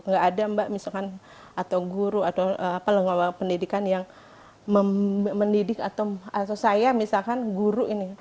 nggak ada mbak misalkan atau guru atau lembaga pendidikan yang mendidik atau saya misalkan guru ini